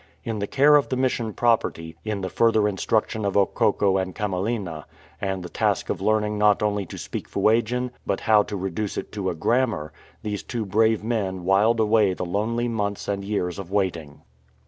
In the care of the Mission property, in the further instruction of Okokko and Camilenna, and in the task of learning not only to speak Fuegian, but how to reduce it to a grammar, these two brave men whiled away the lonely months and years of waiting.